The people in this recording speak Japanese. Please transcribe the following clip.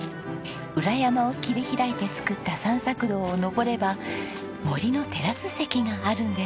裏山を切り開いて作った散策道を登れば森のテラス席があるんです。